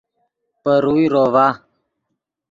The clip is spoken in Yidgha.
پے روئے روڤا